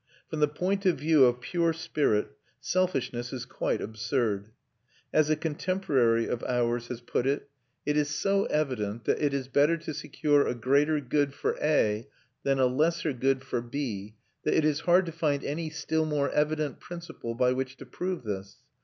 From the point of view of pure spirit, selfishness is quite absurd. As a contemporary of ours has put it: "It is so evident that it is better to secure a greater good for A than a lesser good for B that it is hard to find any still more evident principle by which to prove this.